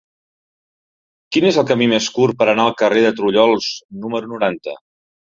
Quin és el camí més curt per anar al carrer de Trullols número noranta?